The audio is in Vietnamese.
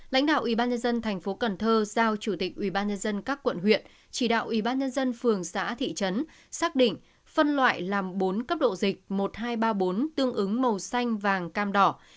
lãnh đạo ủy ban nhân dân tp cần thơ giao chủ tịch ủy ban nhân dân các quận huyện chỉ đạo ủy ban nhân dân phường xã thị trấn xác định phân loại làm bốn cấp độ dịch một nghìn hai trăm ba mươi bốn tương ứng màu xanh vàng cam đỏ